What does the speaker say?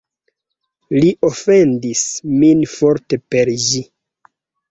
Li ofendis min forte per ĝi.